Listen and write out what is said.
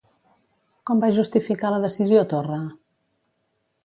Com va justificar la decisió Torra?